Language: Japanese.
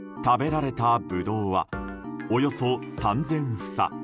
食べられたブドウはおよそ３０００房。